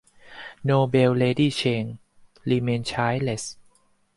Noble Lady Cheng remained childless.